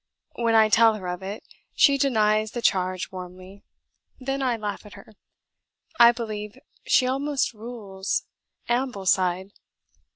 When I tell her of it, she denies the charge warmly; then I laugh at her. I believe she almost rules Ambleside.